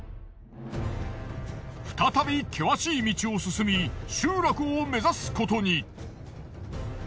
再び険しい道を進み集落を目指すことに。